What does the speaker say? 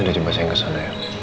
tidak jembat saya yang kesana ya